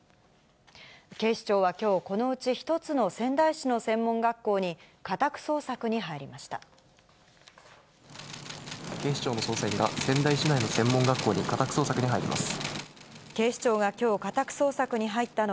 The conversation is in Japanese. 警視庁はきょう、このうち１つの仙台市の専門学校に、家宅捜索に入りました。